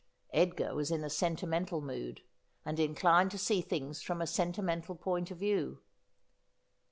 Edgar was in a sentimental mood, and inclined to see things from a sentimental point of view.